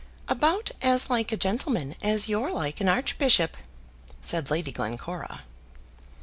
"About as like a gentleman as you're like an archbishop," said Lady Glencora.